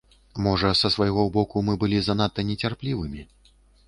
Можа, са свайго боку мы былі занадта нецярплівымі.